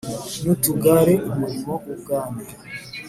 n utugare Umurimo w Ubwami